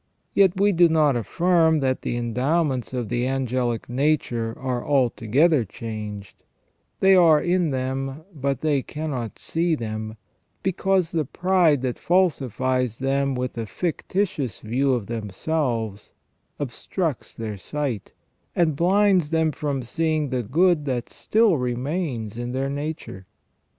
Yet we do not affirm that the endowments of the angelic nature are altogether changed; they are in them, but they cannot see them, because the pride that falsifies them with a fictitious view of themselves obstructs their sight, and blinds them from seeing the good that still remains in their nature.